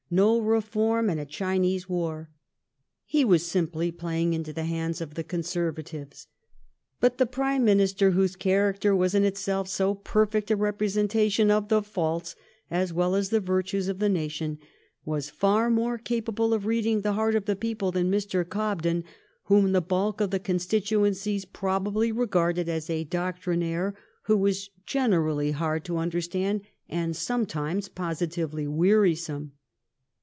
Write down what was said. No reform ! and a Chinese war !'^ He was simply playing into the hands of the Conservatives. But the Prime Minister, whose character was in itself so perfect a representation of the faults as well as the virtues of ' the nation, was far more capable of reading the heart of the people than Mr. Oobden, whom the bulk of the constituencies probably regarded as a doctrinaire who was generally hard to understand and sometimes posi tively wearisome.